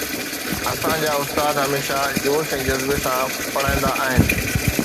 اسان جا استاد هميشه جوش ۽ جذبي سان پڙهندا آهن